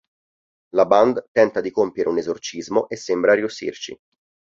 La band tenta di compiere un esorcismo e sembra riuscirci.